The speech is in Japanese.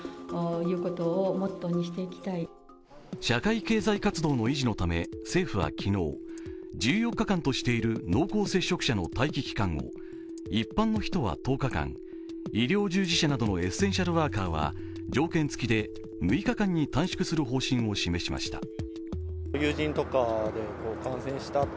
社会経済活動の維持のため政府は昨日１４日間としている濃厚接触者の待機期間を一般の人は１０日間、医療従事者などのエッセンシャルワーカーは条件付きで６日間に短縮する方針を示しました。